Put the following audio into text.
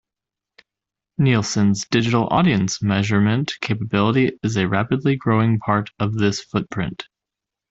Nielsen's digital audience measurement capability is a rapidly growing part of this footprint.